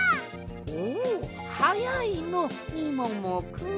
おっはやいのみももくん。